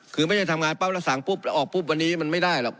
คือไม่ได้ทำงานปั๊บแล้วสั่งปุ๊บแล้วออกปุ๊บวันนี้มันไม่ได้หรอก